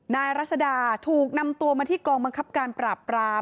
รัศดาถูกนำตัวมาที่กองบังคับการปราบปราม